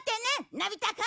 のび太くん。